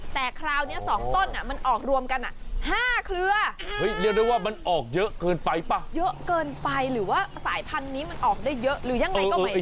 แต่คราวนี้๒ต้นมันออกรวมกัน๕เครือเรียกได้ว่ามันออกเยอะเกินไปป่ะเยอะเกินไปหรือว่าสายพันธุ์นี้มันออกได้เยอะหรือยังไงก็ไม่รู้